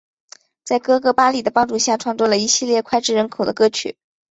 在哥哥巴里的帮助下创作了一系列脍炙人口的歌曲。